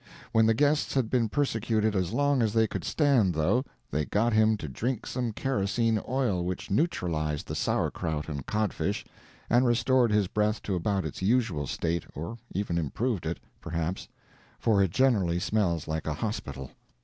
When the guests had been persecuted as long as they could stand it, though, they got him to drink some kerosene oil, which neutralized the sour krout and cod fish, and restored his breath to about its usual state, or even improved it, perhaps, for it generally smells like a hospital.